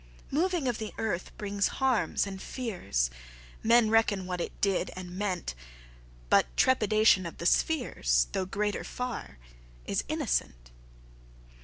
Moving of th' earth brings harmes and feares, Men reckon what it did and meant, But trepidation of the speares, Though greater farre, is innocent.